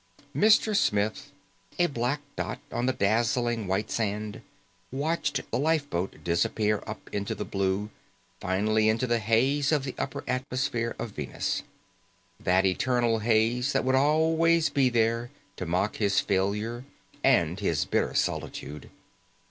Mr. Smith, a black dot on the dazzling white sand, watched the lifeboat disappear up into the blue, finally into the haze of the upper atmosphere of Venus. That eternal haze that would always be there to mock his failure and his bitter solitude.